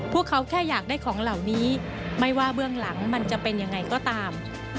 พวกเขาแค่อยากได้ของเหล่านี้ไม่ว่าเบื้องหลังมันจะเป็นยังไงก็ตาม